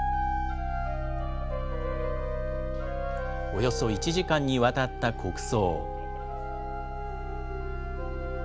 およそ１時間にわたった国葬。